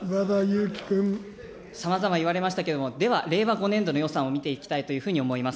さまざま言われましたけれども、では、令和５年度の予算を見ていきたいと思います。